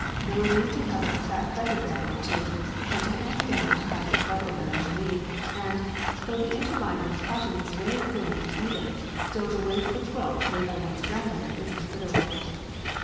They were made to cover a fat feather bed or two and to hang down to hide the trundle bed underneath, and, though the interlining of cotton was very thin and even, still the weight of a quilt made by one's grandmother is considerable.